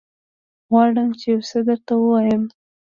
غواړم چې يوڅه درته ووايم.